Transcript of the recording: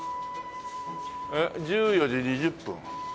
１４時２０分。